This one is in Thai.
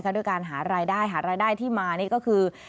ด้วยการหารายได้หารายได้ที่มานี่ก็คือ